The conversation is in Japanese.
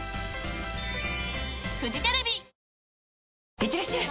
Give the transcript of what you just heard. いってらっしゃい！